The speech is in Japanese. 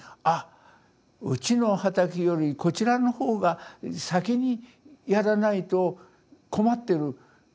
あうちの畑よりこちらの方が先にやらないと困ってる。